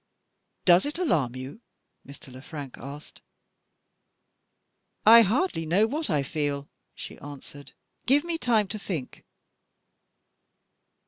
"Does it alarm you?" Mr. Le Frank asked. "I hardly know what I feel," she answered. "Give me time to think."